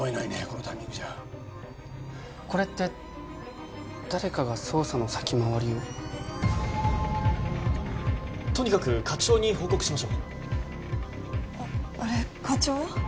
このタイミングじゃこれって誰かが捜査の先回りをとにかく課長に報告しましょうあれ課長は？